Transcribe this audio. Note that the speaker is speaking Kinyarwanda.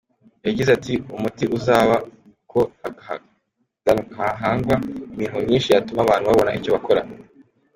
Yagize ati « Umuti uzaba ko hahangwa imirimo myinshi yatuma abantu babona icyo bakora.